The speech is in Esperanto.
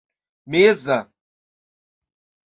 meza